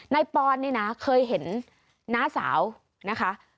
ปอนนี่นะเคยเห็นน้าสาวนะคะ